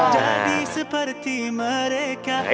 nah itu dong